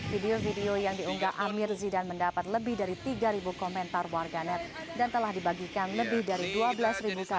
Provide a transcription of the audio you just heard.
video video yang diunggah amir zidan mendapat lebih dari tiga komentar warga net dan telah dibagikan lebih dari dua belas kali setelah dua puluh jam diunggah